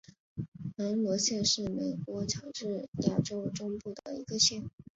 门罗县是美国乔治亚州中部的一个县。